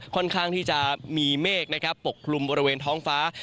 ค่อนข้างที่จะมีเมฆปกลุ่มบริเวณท้องฟ้า